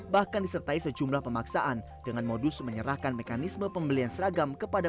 bahkan disertai sejumlah pemaksaan dengan modus menyerahkan mekanisme pembelian seragam kepada